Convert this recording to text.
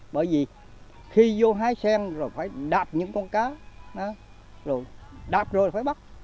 bởi vì khi vô hái sen rồi phải đạp những con cá rồi đạp rồi phải bắt